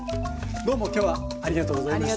どうもきょうはありがとうございました。